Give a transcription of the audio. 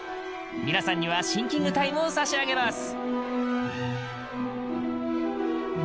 皆さんにはシンキングタイムを差し上げます！